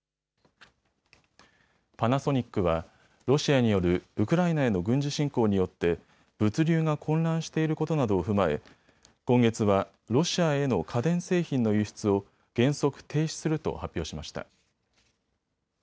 パナソニックはロシアによるウクライナへの軍事侵攻によって物流が混乱していることなどを踏まえ今月はロシアへの家電製品の輸出を原則停止すると発表しました。